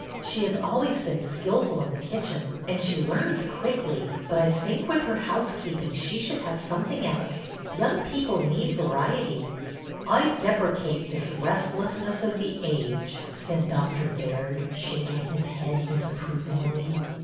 '' She has always been skilful in the kitchen, and she learns quickly, but I think with her house 14 BETTY BAIRD'S VENTURES keeping she should have something else. Young people need variety." " I deprecate this restlessness of the age," said Doctor Baird, shaking his head disapprovingly.